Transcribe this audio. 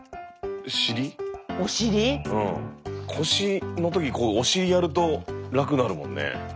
腰の時にこうお尻やると楽になるもんね。